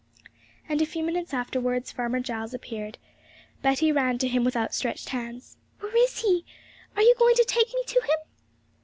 And, a few minutes afterwards, Farmer Giles appeared. Betty ran to him with outstretched hands. 'Where is he? Are you going to take me to him?'